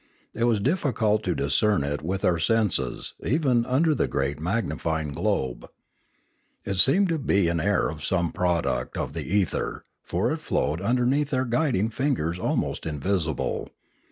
It was difficult to discern it with our senses even under the great mag nifying globe. It seemed to be of air or some product of the ether; for it flowed underneath their guiding fingers almost invisible.